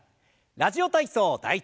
「ラジオ体操第１」。